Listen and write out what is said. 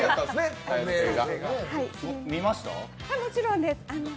もちろんです！